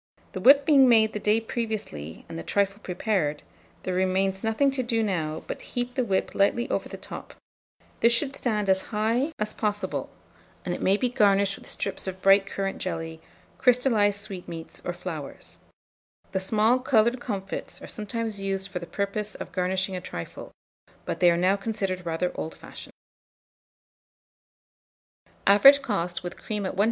The whip being made the day previously, and the trifle prepared, there remains nothing to do now but heap the whip lightly over the top: this should stand as high as possible, and it may be garnished with strips of bright currant jelly, crystallized sweetmeats, or flowers; the small coloured comfits are sometimes used for the purpose of garnishing a trifle, but they are now considered rather old fashioned. (See coloured plate, V1.) Average cost, with cream at 1s.